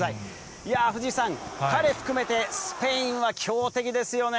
いやー、藤井さん、彼含めて、スペインは強敵ですよね。